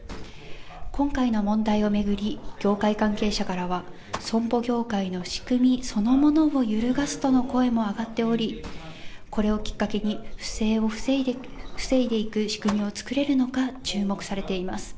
今回の問題を巡り、業界関係者からは、損保業界の仕組みそのものを揺るがすとの声も上がっており、これをきっかけに不正を防いでいく仕組みを作れるのか、注目されています。